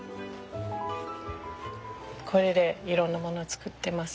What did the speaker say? これでいろんなもの作ってます。